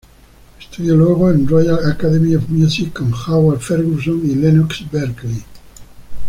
Estudió luego en Royal Academy of Music con Howard Ferguson y Lennox Berkeley.